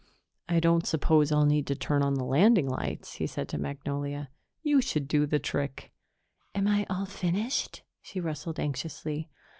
"I don't suppose I'll need to turn on the landing lights," he said to Magnolia. "You should do the trick." "Am I all finished?" she rustled anxiously.